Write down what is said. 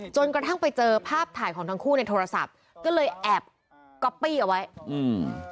จนกระทั่งไปเจอภาพถ่ายของทั้งคู่ในโทรศัพท์ก็เลยแอบก๊อปปี้เอาไว้อืม